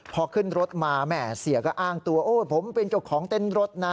พอขึ้นรถมาแม่เสียก็อ้างตัวโอ้ผมเป็นเจ้าของเต้นรถนะ